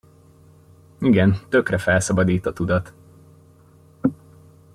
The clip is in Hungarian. Igen, tökre felszabadít a tudat.